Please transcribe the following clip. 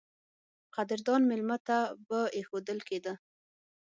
قدردان مېلمه ته به اېښودل کېده.